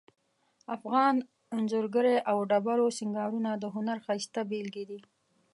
افغان انځورګری او ډبرو سنګارونه د هنر ښایسته بیلګې دي